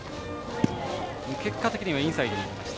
結果的にインサイド。